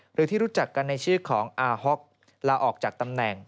หรือที่รู้จักกันในชื่อของอาฮ็อกลาออกจากตำแหน่ง